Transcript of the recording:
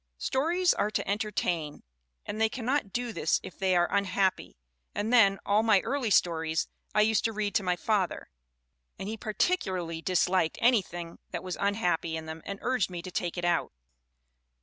"Stories are to entertain, and they cannot do this if they are unhappy, and then, all my early stories I used to read to my father, and he particularly dis CLARA LOUISE BURNHAM 277 liked anything that was unhappy in them and urged me to take it out."